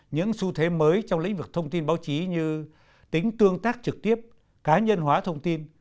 những xu thế mới trong lĩnh vực thông tin báo chí như tính tương tác trực tiếp cá nhân hóa thông tin